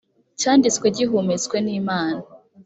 cyanditswe gihumetswe n’imana